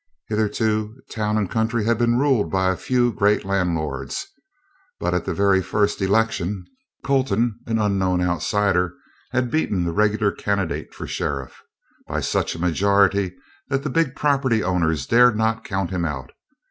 Hitherto town and country had been ruled by a few great landlords but at the very first election, Colton, an unknown outsider, had beaten the regular candidate for sheriff by such a majority that the big property owners dared not count him out.